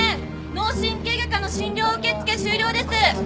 脳神経外科の診療受付終了です。